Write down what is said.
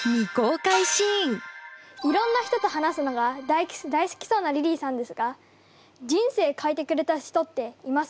いろんな人と話すのが大好きそうなリリーさんですが人生変えてくれた人っていますか？